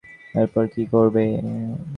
এরপর কী করবে?